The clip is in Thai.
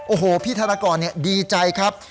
โอ้โหพี่ธนกรดีใจครับ